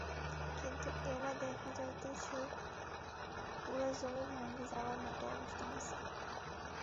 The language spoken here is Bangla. কিন্তু এলা দেখা যাইতোছে পুরা জমি ভাঙি যাওয়ার মতো অবস্থা হইছে।